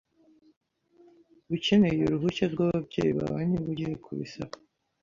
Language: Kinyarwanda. Ukeneye uruhushya rwababyeyi bawe niba ugiye kubisaba.